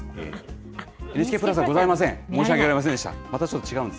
ＮＨＫプラスはございません。